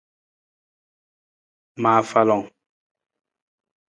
Ma afalang.